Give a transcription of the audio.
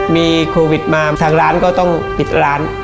มีโควิดมาทางร้านก็ต้องปิดร้าน